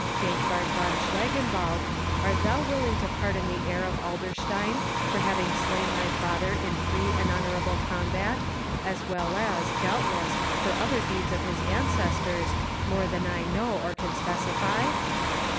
Dankwart von Schlangenwald, art thou willing to pardon the heir of Adlerstein for having slain thy father in free and honourable combat, as well as, doubtless, for other deeds of his ancestors, more than I know or can specify?"